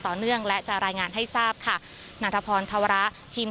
เนื่องและจะรายงานให้ทราบค่ะนาธพรธวระทีม